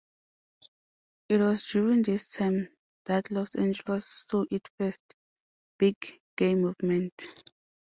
It was during this time that Los Angeles saw its first big gay movement.